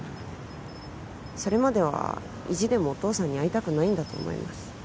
それまでは意地でもお義父さんに会いたくないんだと思います